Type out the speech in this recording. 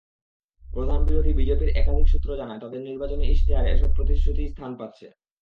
প্রধান বিরোধী বিজেপির একাধিক সূত্র জানায়, তাদের নির্বাচনী ইশতেহারে এসব প্রতিশ্রুতিই স্থান পাচ্ছে।